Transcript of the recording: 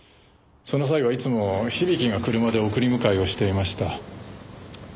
その際はいつも響が車で送り迎えをしていました。